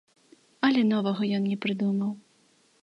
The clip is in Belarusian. Але новага ён не прыдумаў.